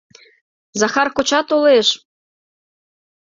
— Захар коча толеш!